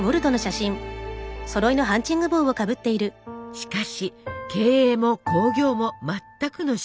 しかし経営も興行も全くの素人。